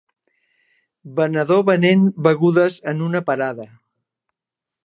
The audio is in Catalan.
Venedor venent begudes en una parada.